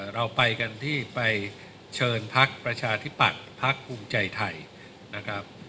เราไปกันที่ไปเชิญพักประชาธิปัตย์พักภูมิใจไทยนะครับ